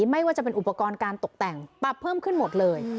ไม่ว่าจะเป็นอุปกรณ์การตกแต่งปรับเพิ่มขึ้นหมดเลย